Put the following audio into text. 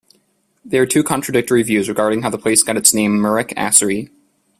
There are two contradictory views regarding how the place got the name Murickassery.